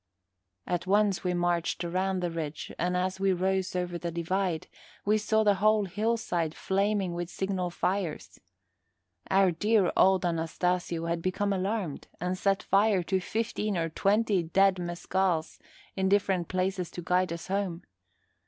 At once we marched around the ridge, and, as we rose over the divide, we saw the whole hillside flaming with signal fires. Our dear old Anastasio had become alarmed and set fire to fifteen or twenty dead mescals in different places to guide us home.